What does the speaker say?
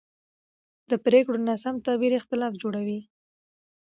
د پرېکړو ناسم تعبیر اختلاف جوړوي